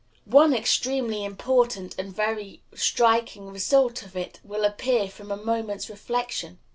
One extremely important and very striking result of it will appear from a moment's reflection.